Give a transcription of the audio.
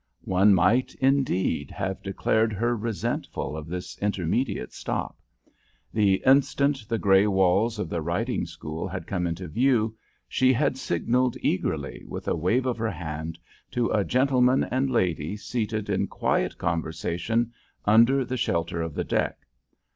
One might, indeed, have declared her resentful of this intermediate stop. The instant the gray walls of the riding school had come into view she had signalled, eagerly, with a wave of her hand, to a gentleman and lady seated in quiet conversation under the shelter of the deck.